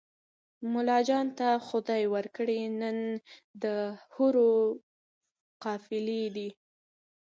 ملاجان ته خدای ورکړي نن د حورو قافلې دي